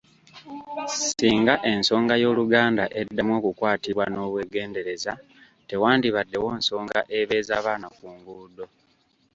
Singa ensonga y’oluganda eddamu okukwatibwa n’obwegendereza tewandibaddewo nsonga ebeeza baana ku nguudo.